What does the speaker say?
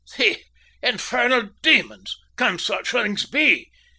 "The infernal demons! Can such things be?